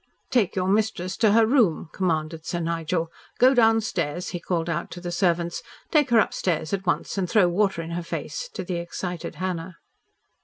"Take your mistress to her room," commanded Sir Nigel. "Go downstairs," he called out to the servants. "Take her upstairs at once and throw water in her face," to the excited Hannah.